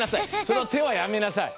そのてはやめなさい。